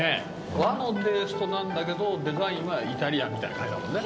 和のテイストなんだけどデザインはイタリアンみたいな感じだもんね。